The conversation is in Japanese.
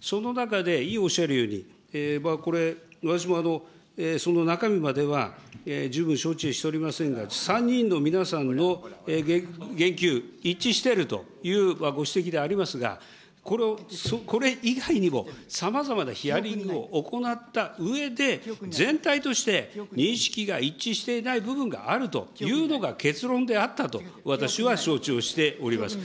その中で委員おっしゃるように、これ、私もその中身までは十分承知をしておりませんが、３人の皆さんの言及、一致しているというご指摘でありますが、これ以外にもさまざまなヒアリングを行ったうえで、全体として認識が一致していない部分があるというのが結論であったと、私は承知しております。